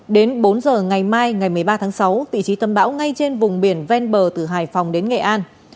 đến bốn giờ ngày mai ngày một mươi ba tháng sáu vị trí tâm bão ngay trên vùng biển ven bờ từ hải phòng đến nghệ an